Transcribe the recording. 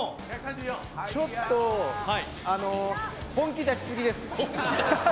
ちょっと本気出しすぎです。